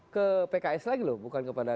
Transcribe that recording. ke pks lagi loh bukan kepada